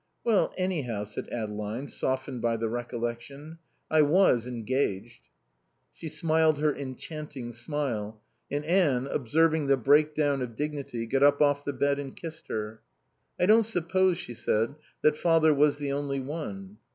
"Well, anyhow," said Adeline, softened by the recollection, "I was engaged." She smiled her enchanting smile; and Anne, observing the breakdown of dignity, got up off the bed and kissed her. "I don't suppose," she said, "that Father was the only one."